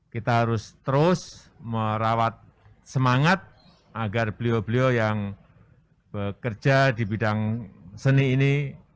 kita harus terus merawat semangat agar beliau beliau yang bekerja di bidang seni ini